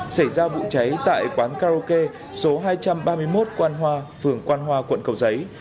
xảy ra vụ cháy tại quán karaoke số hai trăm ba mươi một quan hoa phường quan hoa quận cầu giấy